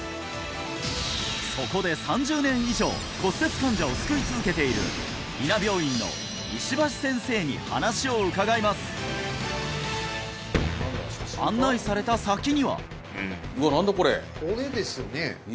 そこで３０年以上骨折患者を救い続けている伊奈病院の石橋先生に話を伺います案内された先にはええ？